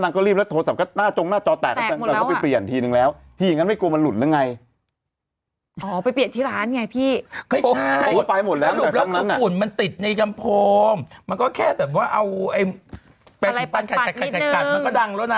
มันแตกของหนูจะเปลี่ยนไหมนะเปลี่ยนเดี๋ยวเปลี่ยน